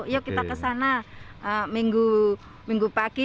yuk kita kesana minggu pagi